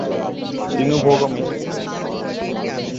তিনি উভকামী।